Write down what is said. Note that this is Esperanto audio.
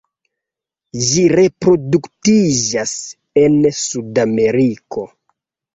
Ĝi reproduktiĝas en Sudameriko.